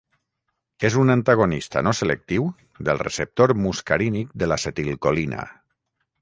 És un antagonista no selectiu del receptor muscarínic de l'acetilcolina.